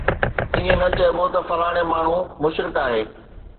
ائين نه چئبو ته فلاڻي ماڻهو مشرڪ آهي